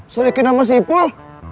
sudikin sama si ipul